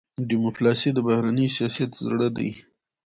ډيپلوماسي د بهرني سیاست زړه دی.